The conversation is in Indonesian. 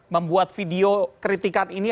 membuat video kritikan ini